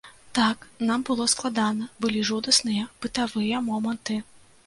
Так, нам было складана, былі жудасныя бытавыя моманты.